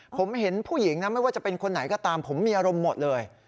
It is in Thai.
ผมเห็นผู้หญิงนะไม่ว่าจะเป็นคนไหนก็ตามผมมีอารมณ์หมดเลย